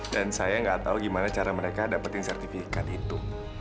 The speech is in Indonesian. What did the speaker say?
dan saya gak tahu gimana cara mereka dapetin sertifikat itu